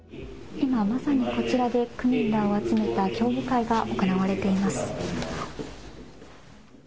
今まさにこちらで区民らを集めた協議会が行われています。